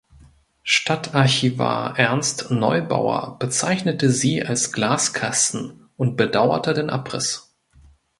Stadtarchivar Ernst Neubauer bezeichnete sie als "Glaskasten" und bedauerte den Abriss.